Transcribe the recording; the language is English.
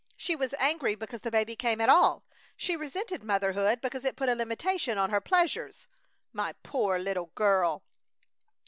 She was angry because the baby came at all. She resented motherhood because it put a limitation on her pleasures. My poor little girl!"